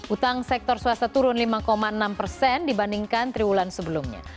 utang sektor swasta turun lima enam persen dibandingkan triwulan sebelumnya